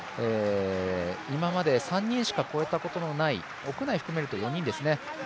今まで３人しか越えたことのない屋内含めると４人ですね